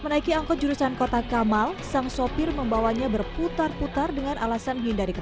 menaiki angkot jurusan kota kamal sang sopir membawanya berputar putar dengan alasan hindari